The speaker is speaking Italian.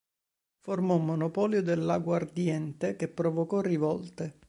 Formò un monopolio dell'aguardiente, che provocò rivolte.